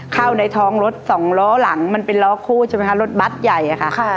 เข้าในท้องรถสองล้อหลังมันเป็นล้อคู่ใช่ไหมคะรถบัตรใหญ่อะค่ะ